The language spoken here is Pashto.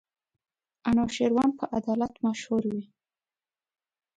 انوشېروان په عدالت مشهور وو.